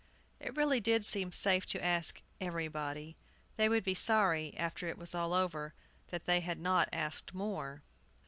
It really did seem safe to ask "everybody." They would be sorry, after it was over, that they had not asked more.